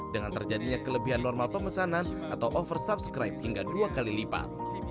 dengan terjadinya kelebihan normal pemesanan atau oversubscribe hingga dua kali lipat